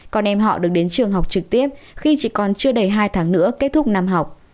còn em họ được đến trường học trực tiếp khi chỉ còn chưa đầy hai tháng nữa kết thúc năm học